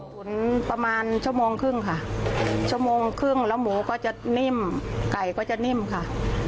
ผลประมาณชั่วโมงครึ่งค่ะชั่วโมงครึ่งแล้วหมูก็จะนิ่มไก่ก็จะนิ่มค่ะ